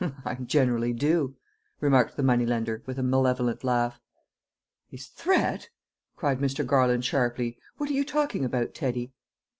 "I generally do," remarked the money lender, with a malevolent laugh. "His threat!" cried Mr. Garland sharply. "What are you talking about, Teddy?"